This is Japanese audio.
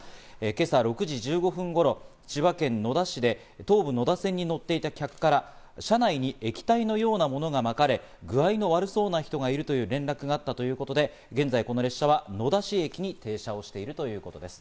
今朝６時１５分頃、千葉県野田市で東武野田線に乗っていた客から車内に液体のようなものがまかれ、具合の悪そうな人がいるという連絡があったということで、現在、この列車は野田市駅に停車しています。